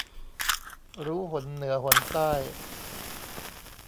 รู้หนเหนือหนใต้